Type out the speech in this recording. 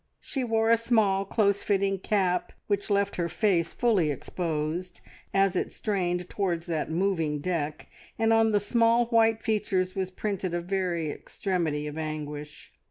She wore a small, close fitting cap, which left her face fully exposed as it strained towards that moving deck, and on the small white features was printed a very extremity of anguish.